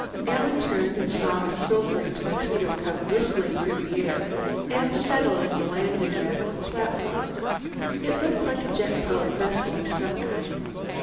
Alan turned and saw a silvery torpedo come whistling through the air and settle in the landing rack of the platform; it looked like a jet powered vessel of some kind.